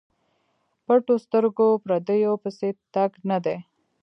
پټو سترګو پردیو پسې تګ نه دی.